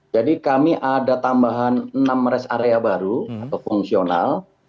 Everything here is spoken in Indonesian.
jadi kami ada tambahan enam res area baru atau fungsional